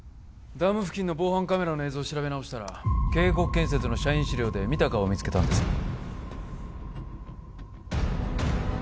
ダム付近の防犯カメラの映像を調べ直したら京国建設の社員資料で見た顔を見つけたんです